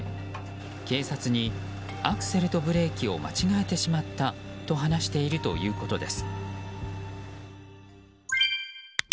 警察にアクセルとブレーキを間違えてしまったと話しているということです。